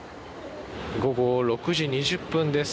午後６時２０分です。